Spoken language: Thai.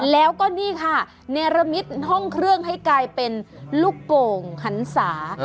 แล้วก็นี่ค่ะเนรมิตห้องเครื่องให้กลายเป็นลูกโป่งหันศา